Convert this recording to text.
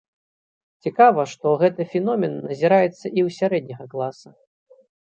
Цікава, што гэты феномен назіраецца і ў сярэдняга класа.